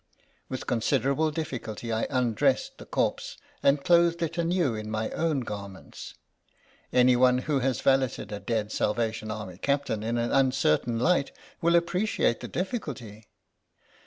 With considerable difficulty I undressed the corpse, and clothed it anew in my own garments. Any one who has valeted a dead Salvation Army captain in an uncertain light will appreciate the difficulty.